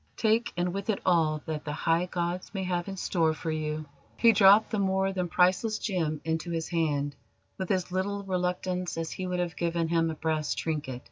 "Take, and with it all that the High Gods may have in store for you!" He dropped the more than priceless gem into his hand with as little reluctance as he would have given him a brass trinket.